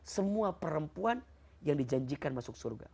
semua perempuan yang dijanjikan masuk surga